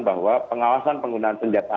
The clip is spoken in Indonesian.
bahwa pengawasan penggunaan senjata